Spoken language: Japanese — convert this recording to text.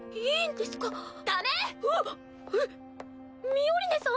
ミオリネさん？